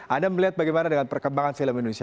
anda melihat bagaimana dengan perkembangan film indonesia